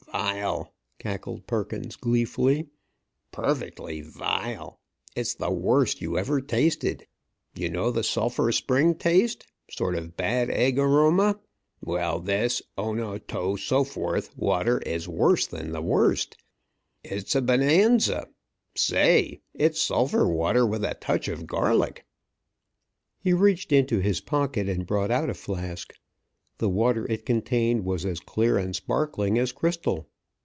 "Vile!" cackled Perkins, gleefully. "Perfectly vile! It is the worst you ever tasted. You know the sulphur spring taste? Sort of bad egg aroma? Well, this O no to so forth water is worse than the worst. It's a bonanza! Say! It's sulphur water with a touch of garlic." He reached into his pocket, and brought out a flask. The water it contained was as clear and sparkling as crystal.